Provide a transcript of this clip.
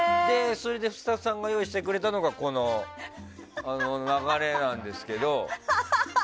スタッフさんが用意したのがこの流れなんですけど。